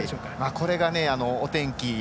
これが天気